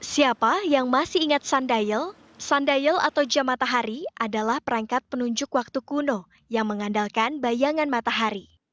siapa yang masih ingat sundial sundial atau jam matahari adalah perangkat penunjuk waktu kuno yang mengandalkan bayangan matahari